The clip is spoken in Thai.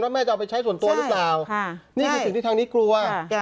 แล้วแม่จะเอาไปใช้ส่วนตัวหรือเปล่าใช่ค่ะนี่คือสิ่งที่ทางนี้กลัวใช่ค่ะ